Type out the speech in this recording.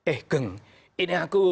eh geng ini aku